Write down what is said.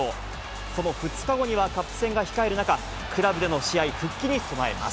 その２日後にはカップ戦が控える中、クラブでの試合復帰に備えます。